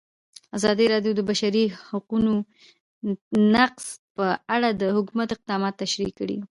ازادي راډیو د د بشري حقونو نقض په اړه د حکومت اقدامات تشریح کړي.